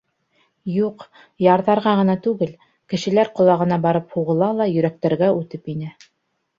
Юҡ, ярҙарға ғына түгел, кешеләр ҡолағына барып һуғыла ла йөрәктәргә үтеп инә.